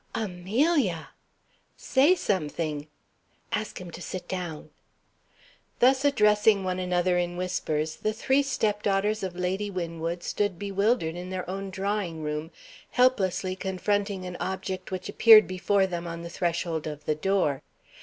"Amelia!" "Say something." "Ask him to sit down." Thus addressing one another in whispers, the three stepdaughters of Lady Winwood stood bewildered in their own drawing room, helplessly confronting an object which appeared before them on the threshold of the door.